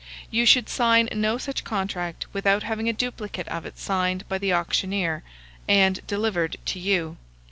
You should sign no such contract without having a duplicate of it signed by the auctioneer, and delivered to you.